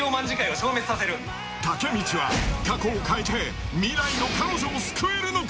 タケミチは過去を変えて未来の彼女を救えるのか。